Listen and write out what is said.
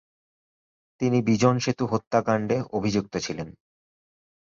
তিনি বিজন সেতু হত্যাকাণ্ড-এ অভিযুক্ত ছিলেন।